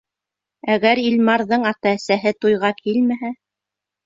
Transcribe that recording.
Әгәр Илмарҙың ата-әсәһе туйға килмәһә?